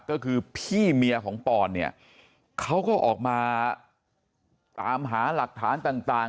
ก็คือพี่เมียของปอนเนี่ยเขาก็ออกมาตามหาหลักฐานต่าง